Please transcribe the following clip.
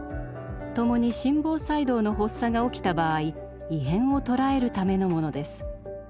共に心房細動の発作が起きた場合異変を捉えるためのものです。